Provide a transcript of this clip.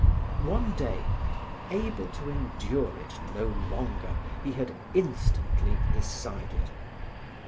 One day, able to endure it no longer, he had instantly decided.